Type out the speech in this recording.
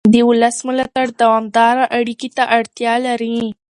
د ولس ملاتړ دوامداره اړیکې ته اړتیا لري